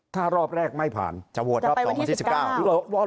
ถ้ารอบแรกไม่ผ่านจะโหวตรอบ๒วันที่๑๙